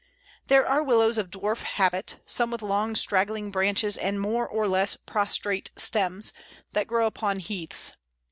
There are Willows of dwarf habit, some with long straggling branches and more or less prostrate stems, that grow upon heaths.